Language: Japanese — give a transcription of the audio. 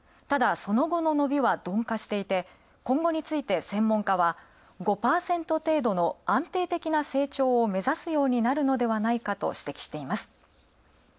ただ、その後の伸びは鈍化していて、今後について、専門家は５％程度の成長を目指すようになるのではないかと指摘しています。